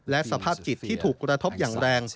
และสภาพจิตที่ถูกกระทบอย่างแรง